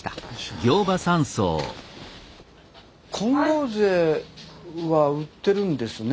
金剛杖は売ってるんですね。